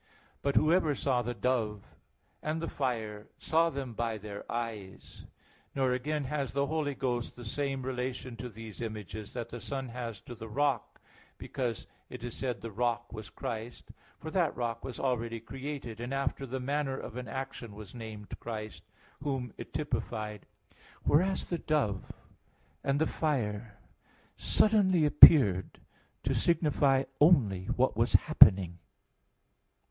But whoever saw the dove and the fire, saw them by their eyes. Nor, again, has the Holy Ghost the same relation to these images that the Son has to the rock, because it is said, 'The rock was Christ' (1 Cor. 10:4). For that rock was already created, and after the manner of an action was named Christ, Whom it typified; whereas the dove and the fire suddenly appeared to signify only what was happening.